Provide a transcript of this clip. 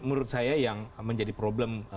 menurut saya yang menjadi problem